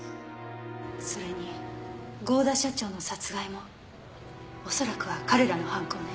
それに合田社長の殺害も恐らくは彼らの犯行ね。